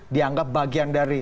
dianggap bagian dari